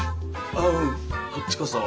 ううんこっちこそ。